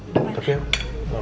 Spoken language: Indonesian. aduh makasih ya tante